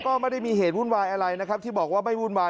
ก็ไม่ได้มีเหตุวุ่นวายอะไรนะครับที่บอกว่าไม่วุ่นวาย